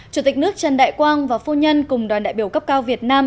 chủ tịch nước trần đại quang và phu nhân cùng đoàn đại biểu cấp cao việt nam